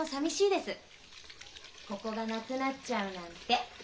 ここがなくなっちゃうなんて。